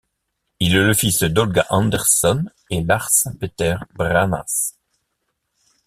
Il est le fils d'Olga Andersson et Lars Petter Brännäs.